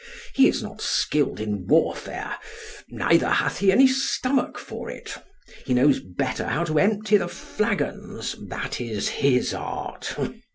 He is not skilled in warfare, nor hath he any stomach for it. He knows better how to empty the flagons, that is his art.